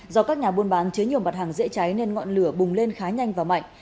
do các nhà buôn bán chế nhiều mặt hàng dễ cháy nên ngọn lửa bùng lên khá nhanh và mạnh